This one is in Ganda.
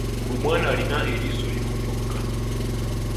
Omwana alina eriiso limu lyokka.